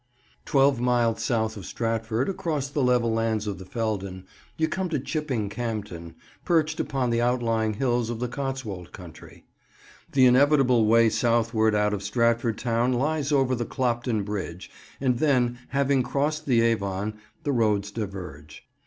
TWELVE miles south of Stratford, across the level lands of the Feldon, you come to Chipping Campden, perched upon the outlying hills of the Cotswold country. The inevitable way southward out of Stratford town lies over the Clopton Bridge, and then, having crossed the Avon, the roads diverge.